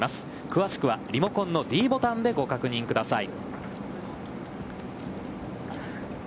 詳しくは、リモコンのｄボタンでご確認ください。